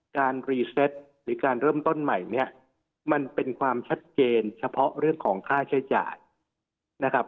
รีเซตหรือการเริ่มต้นใหม่เนี่ยมันเป็นความชัดเจนเฉพาะเรื่องของค่าใช้จ่ายนะครับ